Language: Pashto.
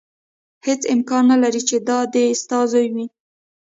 هېڅ امکان نه لري چې دا دې ستا زوی وي.